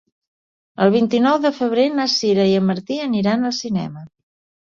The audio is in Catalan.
El vint-i-nou de febrer na Sira i en Martí aniran al cinema.